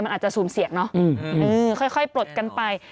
มันอาจจะสูญเสียเนอะค่อยปลดกันไป